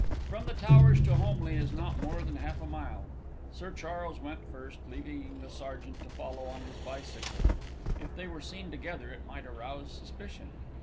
From The Towers to Holmleigh is not more than half a mile. Sir Charles went first, leaving the sergeant to follow on his bicycle. If they were seen together it might arouse suspicion.